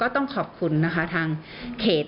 ต้องขอบคุณทางเขต